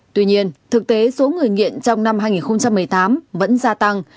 tuy nhiên thực tế số người nghiện trong năm hai nghìn một mươi tám vẫn gia tăng